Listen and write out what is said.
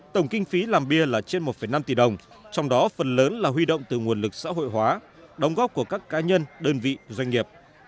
tổng kinh phí làm bia là trên một năm tỷ đồng trong đó phần lớn là huy động từ nguồn lực xã hội hóa đóng góp của các cá nhân đơn vị doanh nghiệp